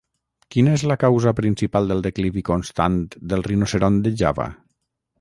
Quina és la causa principal del declivi constant del rinoceront de Java?